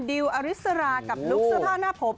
ดิวอริสรากับลุ๊กสถานาภพ